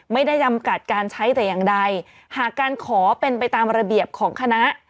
ไม่ได้จำกัดการใช้แต่อย่างใดหากการขอเป็นไปตามระเบียบของคณะ